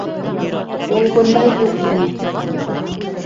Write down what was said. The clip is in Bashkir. Ул бында юҡ ине.